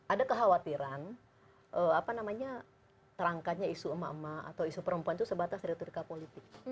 ada kekhawatiran terangkatnya isu emak emak atau isu perempuan itu sebatas retorika politik